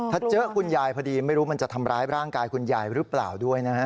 ถ้าเจอคุณยายพอดีไม่รู้มันจะทำร้ายร่างกายคุณยายหรือเปล่าด้วยนะฮะ